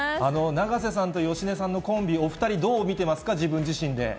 永瀬さんと芳根さんのコンビ、お２人、どう見てますか、自分自身で。